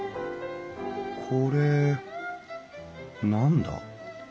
これ何だ？